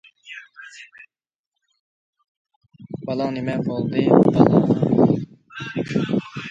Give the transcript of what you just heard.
-بالاڭ نېمە بولدى؟ -بالام دۆت چىقىپ قالدى.